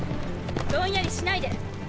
ぼんやりしないで！